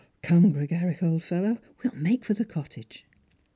Come, Gregarach, old fellow, we'll make for the cottage."